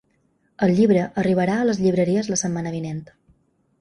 El llibre arribarà a les llibreries la setmana vinent.